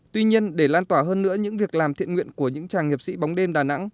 tuy nhiên để lan tỏa hơn nữa những việc làm thiện nguyện của những tràng nghiệp sĩ bóng đêm đà nẵng